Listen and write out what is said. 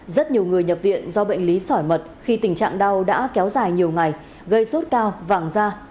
rất nhiều người nhập viện do bệnh lý sỏi mật khi tình trạng đau đã kéo dài nhiều ngày gây sốt cao vàng da